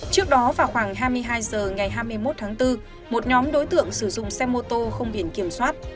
trước đó vào khoảng hai mươi hai h ngày hai mươi một tháng bốn một nhóm đối tượng sử dụng xe mô tô không biển kiểm soát